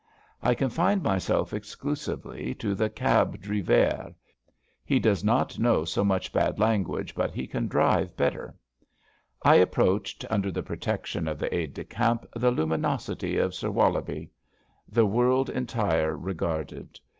I confine myself exclusively to the cab drivaire. He does not know so much bad language, but he can drive better. I approached, under the protection of the Aide de Camp, the luminosity of Sir Wollobie. The world entire regarded.